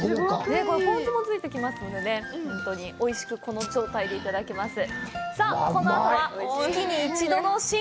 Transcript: ポン酢もついてきますのでね、おいしく、この状態でいただけます。